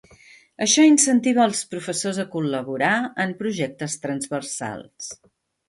Això incentiva els professors a col·laborar en projectes transversals.